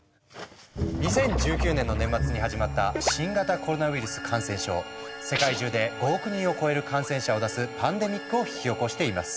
２０１９年の年末に始まった世界中で５億人を超える感染者を出すパンデミックを引き起こしています。